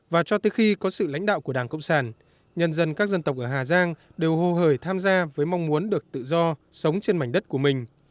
và cho tới khi có sự lãnh đạo của đảng cộng sản nhân dân các dân tộc ở hà giang đều hô hời tham gia với mong muốn được tự do sống trên mảnh đất của mình